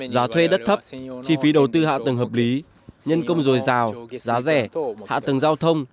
giá thuê đất thấp chi phí đầu tư hạ tầng hợp lý nhân công dồi dào giá rẻ hạ tầng giao thông